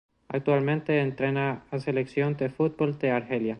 Actualmente entrena a Selección de fútbol de Argelia.